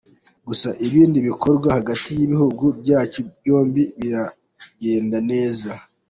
Gusa ibindi bikorwa hagati y’ibihugu byacu byombi biragenda neza.